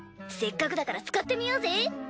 せっかくだから使ってみようぜ。